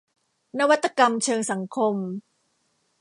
นวัตกรรมเชิงสังคม